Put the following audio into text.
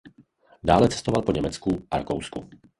Dále cestoval po Německu a Rakousku.